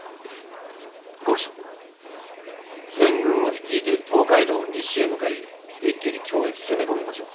全軍を率いて東海道を西へ向かい一気に京へ攻め込みましょう。